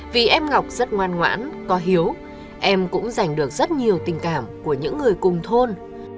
vì em ngọc rất ngoan ngoãn có hiếu em cũng giành được rất nhiều tình cảm của những người cùng thôn